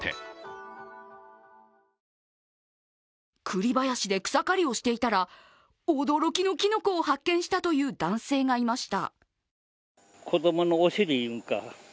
くり林で草刈りをしていたら驚きのきのこを発見したという男性がいました。